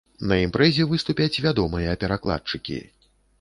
На імпрэзе выступяць вядомыя перакладчыкі.